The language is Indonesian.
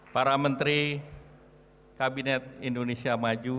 para menteri kabinet indonesia maju